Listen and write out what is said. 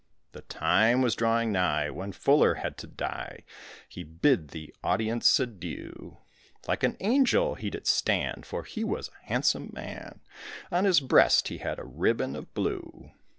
The time was drawing nigh when Fuller had to die; He bid the audience adieu. Like an angel he did stand, for he was a handsome man, On his breast he had a ribbon of blue.